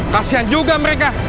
kasian juga mereka